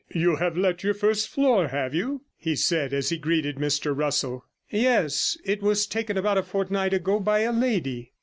'You have let your first floor, have you?' he said, as he greeted Mr Russell. 'Yes; it was taken about a fortnight ago by a lady.'